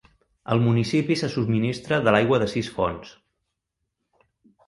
El municipi se subministra de l'aigua de sis fonts.